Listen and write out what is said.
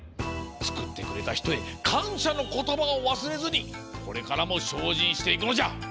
つくってくれたひとへかんしゃのことばをわすれずにこれからもしょうじんしていくのじゃ！